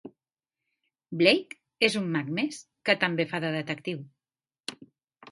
Blake és un mag més que també fa de detectiu.